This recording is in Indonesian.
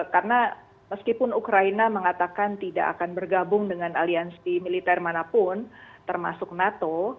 karena meskipun ukraina mengatakan tidak akan bergabung dengan aliansi militer manapun termasuk nato